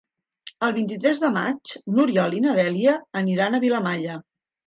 El vint-i-tres de maig n'Oriol i na Dèlia aniran a Vilamalla.